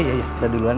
kita duluan ya